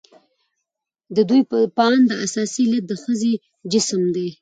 د ددوى په اند اساسي علت يې د ښځې جسم دى.